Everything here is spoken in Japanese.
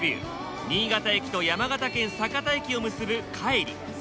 新潟駅と山形県酒田駅を結ぶ海里。